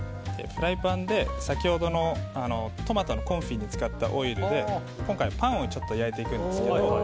フライパンで先ほどのトマトのコンフィに使ったオイルで今回パンを焼いていくんですけど。